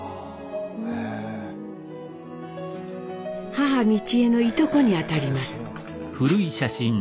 母美智榮のいとこに当たります。